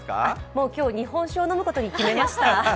もう今日、日本酒を飲むことに決めました。